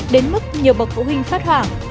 đến mức nhiều bậc phụ huynh phát hoảng